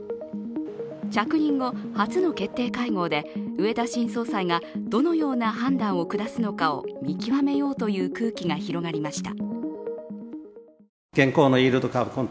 着任後、初の決定会合で植田新総裁がどのような判断を下すのか見極めようという空気が広がりました。